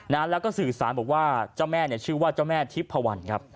แล้วก็สื่อสารบอกว่าเจ้าแม่เนี่ยชื่อว่าเจ้าแม่ทิพพวันครับ